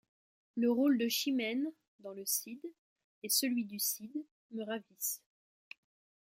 Le rôle de Chimène, dans le Cid, et celui du Cid me ravissent.